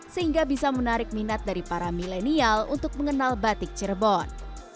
sehingga bisa menarik minat dari para milenial untuk mengenal batik cirebon